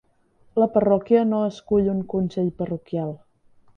La parròquia no escull un consell parroquial.